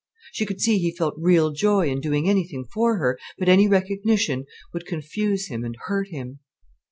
She could see he felt real joy in doing anything for her, but any recognition would confuse him and hurt him.